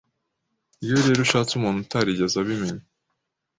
iyo rero ushatse umuntu utarigeze abimenya